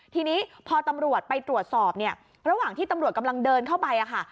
ทีนี้พอตำรวจไปตรวจสอบเนี่ยระหว่างที่ตำรวจกำลังเดินเข้าไปค่ะ